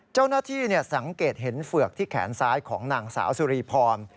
เจ้าหน้าที่สังเกตเห็นเฝือกที่แขนซ้ายของนางสาวสุรีพร